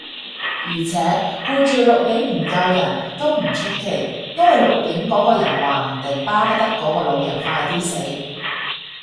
而且，顧住錄影唔救人，都唔出奇，因為錄影嗰個人話唔定巴不得嗰個老人快啲死